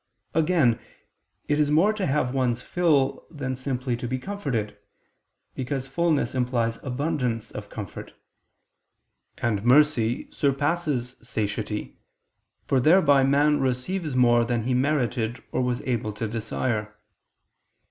Again, it is more to have one's fill than simply to be comforted, because fulness implies abundance of comfort. And mercy surpasses satiety, for thereby man receives more than he merited or was able to desire.